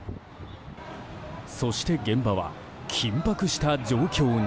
そして現場は緊迫した状況に。